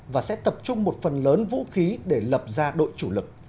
và sẽ tập trung một phần lớn vũ khí để lập ra đội chủ lực